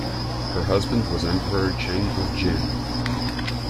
Her husband was Emperor Cheng of Jin.